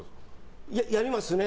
やりますね。